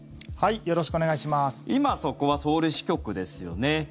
今、そこはソウル支局ですよね。